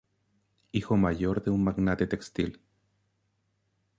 Hijo mayor de un magnate textil.